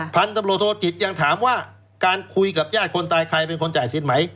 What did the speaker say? พันธุ์ตำรวจโทษจิตยังถามว่าการคุยกับญาติคนตายใครเป็นคนจ่ายสินไหม